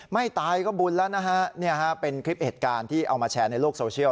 ไม่ตายก็บุญแล้วนะฮะเป็นคลิปเหตุการณ์ที่เอามาแชร์ในโลกโซเชียล